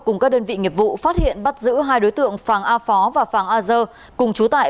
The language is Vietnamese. cùng các đơn vị nghiệp vụ phát hiện bắt giữ hai đối tượng phàng a phó và phàng a dơ cùng chú tại